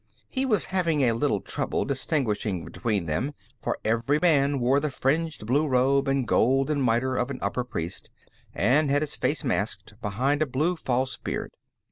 He was having a little trouble distinguishing between them, for every man wore the fringed blue robe and golden miter of an upper priest, and had his face masked behind a blue false beard.